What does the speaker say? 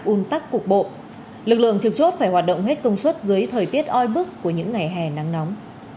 un tắc cục bộ lực lượng trực chốt phải hoạt động hết công suất dưới thời tiết oi bức của những ngày hè nắng nóng